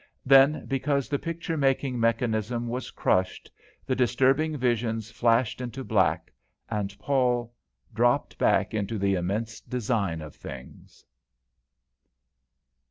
Then, because the picture making mechanism was crushed, the disturbing visions flashed into black, and Paul dropped back into the immense design of things.